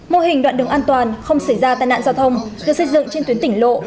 mô hình đoạn đường an toàn không xảy ra tai nạn giao thông được xây dựng trên tuyến tỉnh lộ bảy trăm tám mươi một